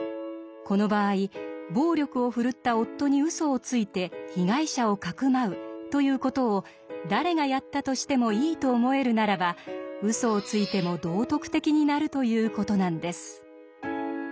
この場合「暴力を振るった夫にうそをついて被害者をかくまう」という事を誰がやったとしてもいいと思えるならばうそをついても道徳的になるという事なんです。